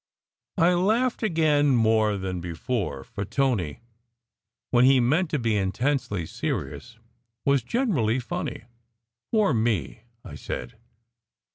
I laughed again more than before, for Tony when he meant to be intensely serious was generally funny. "Poor me!" I said.